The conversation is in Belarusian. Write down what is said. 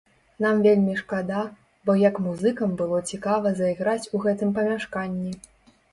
Нам вельмі шкада, бо як музыкам было цікава зайграць у гэтым памяшканні.